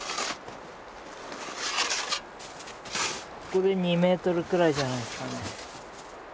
ここで２ｍくらいじゃないですかね。